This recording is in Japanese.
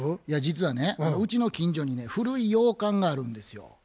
いや実はねうちの近所にね古い洋館があるんですよ。